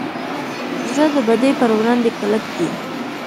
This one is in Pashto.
زړه د بدۍ پر وړاندې کلک دی.